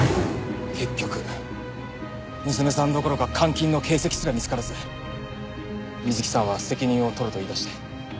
結局娘さんどころか監禁の形跡すら見つからず水木さんは責任を取ると言い出して。